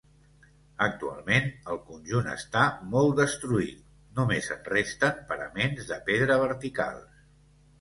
Actualment, el conjunt està molt destruït, només en resten paraments de pedra verticals.